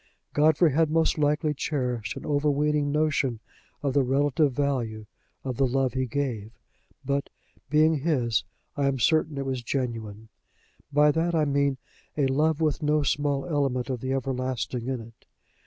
Godfrey had most likely cherished an overweening notion of the relative value of the love he gave; but being his, I am certain it was genuine by that, I mean a love with no small element of the everlasting in it.